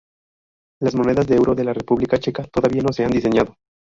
Las monedas de euro de la República Checa todavía no se han diseñado.